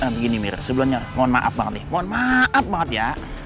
begini myr sebelumnya mohon maaf banget ya